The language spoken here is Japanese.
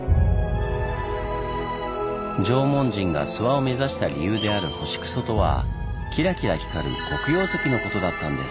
縄文人が諏訪を目指した理由である星糞とはキラキラ光る黒曜石のことだったんです。